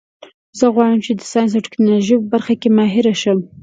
زه غواړم چې د ساینس او ټکنالوژۍ په برخه کې ماهر شم